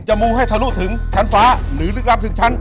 มูให้ทะลุถึงชั้นฟ้าหรือลึกลับถึงชั้น